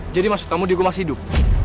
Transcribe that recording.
jadi maksud kamu diego masih hidup